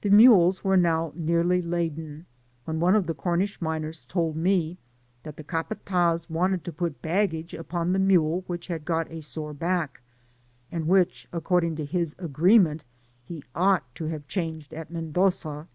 The mules were now nearly laden, when one of the Cornish miners told me that the capatSz wanted to put baggage upon the mule which had got a sore back, and which, according to his agTeement, he ought to have changed at Mendoza.